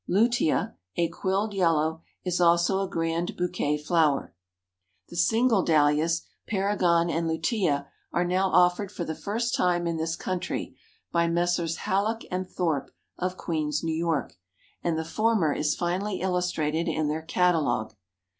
Lutea, a quilled yellow, is also a grand bouquet flower." The single Dahlias, Paragon and Lutea, are now offered for the first time in this country, by Messrs. Hallock & Thorp of Queens, N. Y., and the former is finely illustrated in their catalogue.